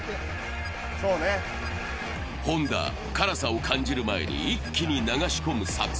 本田、辛さを感じる前に一気に流し込む作戦。